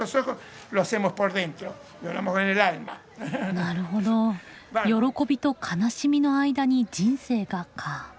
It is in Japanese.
なるほど「喜びと悲しみの間に人生が」か。